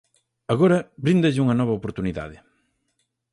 Agora, bríndalle unha nova oportunidade.